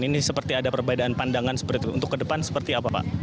ini seperti ada perbedaan pandangan seperti itu untuk ke depan seperti apa pak